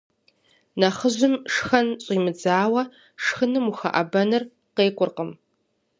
Нэхъыжьым шхэн щӏимыдзауэ шхыным ухэӏэбэныр къеукӏуркъым.